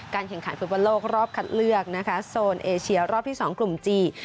การแข่งขันฟุตประโลกรอบคัดเลือกโซนเอเชียรอบที่สองกลุ่มจี